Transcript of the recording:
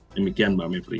demikian mbak mepri